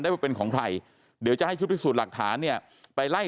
ว่าเป็นของใครเดี๋ยวจะให้ชุดพิสูจน์หลักฐานเนี่ยไปไล่